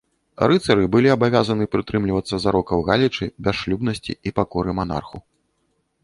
Рыцары былі абавязаны прытрымлівацца зарокаў галечы, бясшлюбнасці і пакоры манарху.